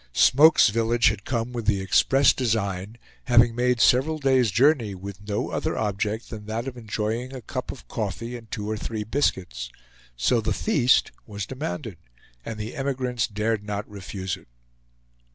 Smoke's village had come with the express design, having made several days' journey with no other object than that of enjoying a cup of coffee and two or three biscuits. So the "feast" was demanded, and the emigrants dared not refuse it.